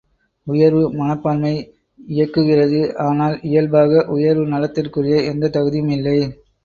உயர்வு மனப்பான்மை இயக்குகிறது ஆனால், இயல்பாக உயர்வு நலத்திற்குரிய எந்தத் தகுதியும் இல்லை.